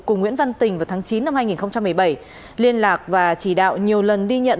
cùng nguyễn văn tình vào tháng chín năm hai nghìn một mươi bảy liên lạc và chỉ đạo nhiều lần đi nhận